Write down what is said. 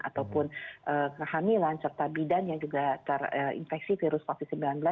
ataupun kehamilan serta bidan yang juga terinfeksi virus covid sembilan belas